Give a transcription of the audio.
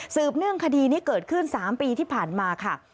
เนื่องคดีนี้เกิดขึ้น๓ปีที่ผ่านมาค่ะ